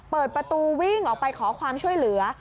เปิดประตูวิ่งออกไปขอความช่วยเหลือ